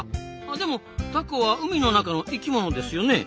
でもタコは海の中の生きものですよね。